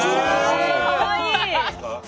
かわいい！